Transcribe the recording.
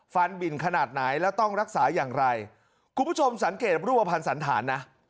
บิ่นขนาดไหนแล้วต้องรักษาอย่างไรคุณผู้ชมสังเกตรูปภัณฑ์สันฐานนะ